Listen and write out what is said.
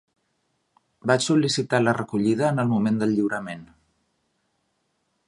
Vaig sol·licitar la recollida en el moment del lliurament.